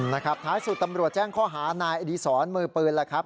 นะครับท้ายสุดตำรวจแจ้งข้อหานายอดีศรมือปืนแล้วครับ